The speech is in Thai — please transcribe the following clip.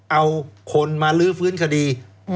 เอาคนมาลื้อฟื้นคดี